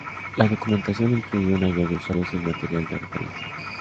La documentación incluye una guía de usuarios y el material de referencia.